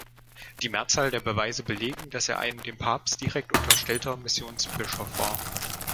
Die Mehrzahl der Beweise belegen, dass er ein dem Papst direkt unterstellter Missionsbischof war.